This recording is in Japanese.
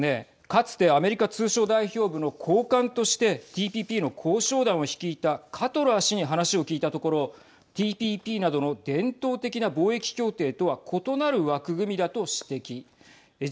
かつて、アメリカ通商代表部の高官としてＴＰＰの交渉団を率いたカトラー氏に話を聞いたところＴＰＰなどの伝統的な貿易協定とは異なる枠組みだと指摘。